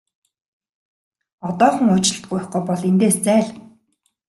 Одоохон уучлалт гуйхгүй бол эндээс зайл!